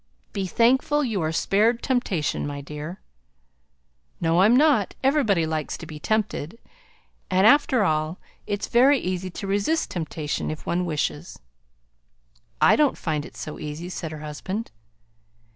"Be thankful you are spared temptation, my dear." "No, I'm not. Everybody likes to be tempted. And, after all, it's very easy to resist temptation, if one wishes." "I don't find it so easy," said her husband.